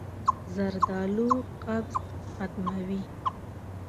زردالو قبض ختموي.